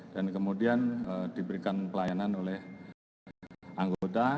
dan kemudian diberikan pelayanan oleh anggota